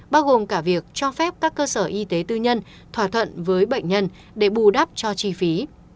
bao gồm cả việc cho phép các cơ sở y tế tư nhân thỏa thuận với bệnh nhân để bù đắp cho chi phí